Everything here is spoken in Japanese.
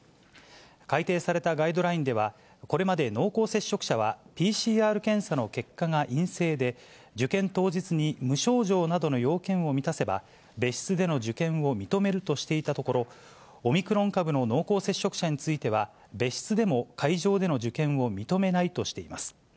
改訂されたガイドラインでは、これまで濃厚接触者はＰＣＲ検査の結果が陰性で、受験当日に無症状などの要件を満たせば、別室での受験を認めるとしていたところ、オミクロン株の濃厚接触者については、別室でも会場での受験を認めないとしています。